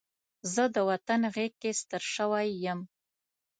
زه د وطن غېږ کې ستر شوی یم